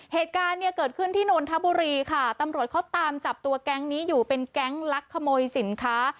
เหตุการณ์เนี่ยเกิดขึ้นที่นนทบุรีค่ะตำรวจเขาตามจับตัวแก๊งนี้อยู่เป็นแก๊งลักขโมยสินค้า